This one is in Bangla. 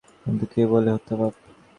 কিন্তু কে বলে হত্যা পাপ?